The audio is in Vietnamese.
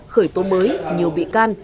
khởi tố mới nhiều bị can